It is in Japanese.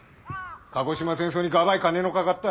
鹿児島ん戦争にがばい金のかかった。